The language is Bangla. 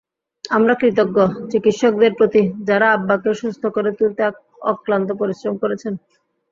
আমরা কৃতজ্ঞ, চিকিৎসকদের প্রতি, যাঁরা আব্বাকে সুস্থ করে তুলতে অক্লান্ত পরিশ্রম করছেন।